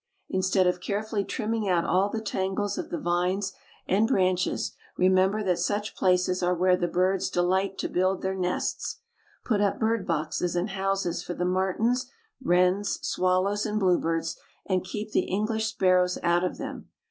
Instead of carefully trimming out all the tangles of the vines and branches remember that such places are where the birds delight to build their nests. Put up bird boxes and houses for the martins, wrens, swallows and bluebirds and keep the English sparrows out of them.